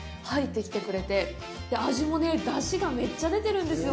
味も出汁がめっちゃ出てるんですよ。